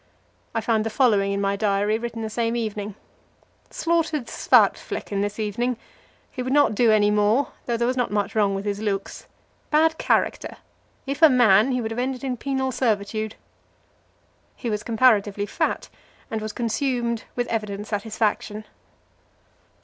I find the following in my diary, written the same evening: "Slaughtered Svartflekken this evening. He would not do any more, although there was not much wrong with his looks. Bad character. If a man, he would have ended in penal servitude." He was comparatively fat, and was consumed with evident satisfaction.